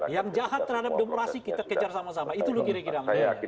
yang jahat terhadap demokrasi kita kejar sama sama itu loh kira kira